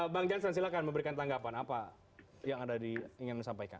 bang jansan silahkan memberikan tanggapan apa yang ada ingin disampaikan